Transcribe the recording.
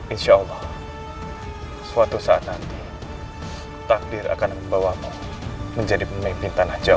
insya allah suatu saat nanti takdir akan membawamu menjadi pemimpin tanah jawa